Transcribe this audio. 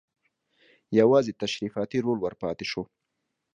یوازې تشریفاتي رول ور پاتې شو.